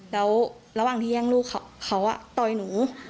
แล้วระหว่างที่แย่งลูกเขาต่อยหนู